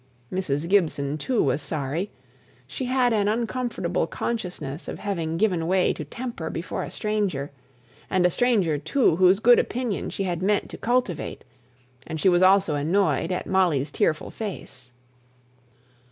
Mrs. Gibson, too, was sorry; she had an uncomfortable consciousness of having given way to temper before a stranger, and a stranger, too, whose good opinion she had meant to cultivate; and she was also annoyed at Molly's tearful face.